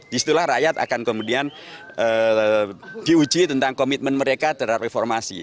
disitulah rakyat akan kemudian diuji tentang komitmen mereka terhadap reformasi